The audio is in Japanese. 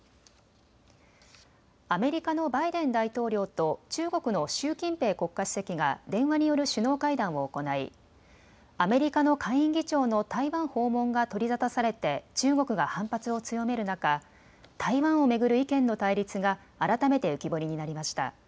アメリカのバイデン大統領と中国の習近平国家主席が電話による首脳会談を行いアメリカの下院議長の台湾訪問が取り沙汰されて中国が反発を強める中、台湾を巡る意見の対立が改めて浮き彫りになりました。